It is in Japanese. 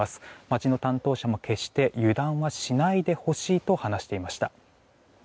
町の担当者も決して油断はしないでほしいと話していました。